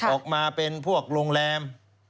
ออกมาเป็นพวกโรงแรม